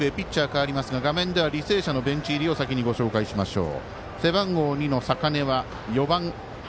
代わりますが画面では履正社のベンチ入りを先にご紹介しましょう。